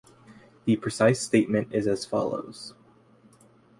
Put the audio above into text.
The precise statement is as follows.